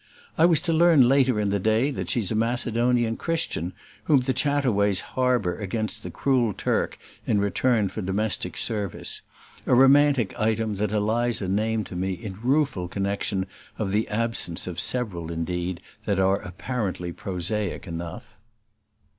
I was to learn later in the day that she's a Macedonian Christian whom the Chataways harbor against the cruel Turk in return for domestic service; a romantic item that Eliza named to me in rueful correction of the absence of several indeed that are apparently prosaic enough.